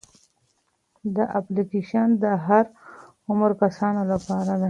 دا اپلیکیشن د هر عمر کسانو لپاره دی.